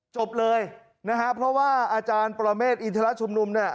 จบเลยนะครับเพราะว่าอาจารย์เปสมาร์เมศอินทรเลอร์ชุมนุมเนี่ย